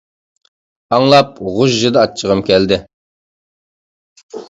ئاڭلاپ غۇژژىدە ئاچچىقىم كەلدى.